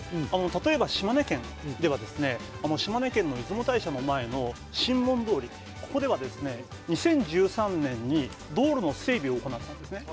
例えば、島根県ではですね、島根県の出雲大社の前の神門通り、ここではですね、２０１３年に道路の整備を行ったんですね。